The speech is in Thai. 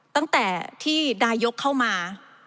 ตั้งแต่ที่นายกเข้ามา